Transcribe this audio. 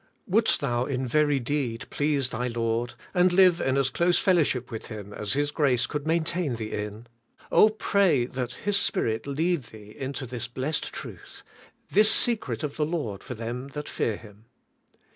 ' Wouldest thou in very deed please thy Lord, and live in as close fellowship with Him as His grace could maintain thee in, pray that His Spirit lead thee into this blessed truth : this secret of the Lord for them that fear Him.